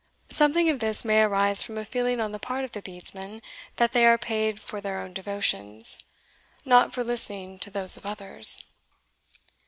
Something of this may arise from a feeling on the part of the Bedesmen, that they are paid for their own devotions, not for listening to those of others.